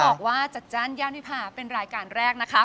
บอกว่าจัดจ้านย่านวิพาเป็นรายการแรกนะคะ